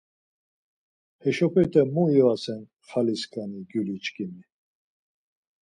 Heşopete mu ivasen xali skani gyuli çkimi!